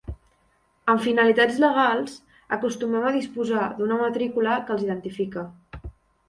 Amb finalitats legals, acostumen a disposar d'una matrícula que els identifica.